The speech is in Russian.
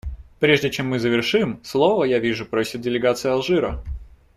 Прежде чем мы завершим, слова, я вижу, просит делегация Алжира.